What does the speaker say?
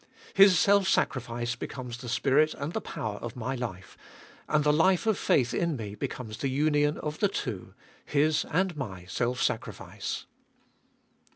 His self sacrifice becomes the spirit and the power of my life, and the life of faith in me becomes the union of the two — His and my self sacrifice.